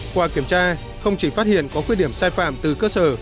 qua kiểm tra không chỉ phát hiện có khuyết điểm sai phạm từ cơ sở